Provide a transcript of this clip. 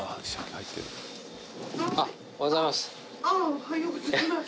おはようございます。